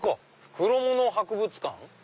「袋物博物館」。